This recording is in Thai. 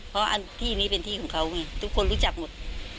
เพราะที่นี้เป็นที่ของเขาไงทุกคนรู้จักหมด